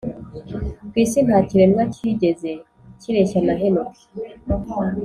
ku isi nta kiremwa kigeze kireshya na Henoki,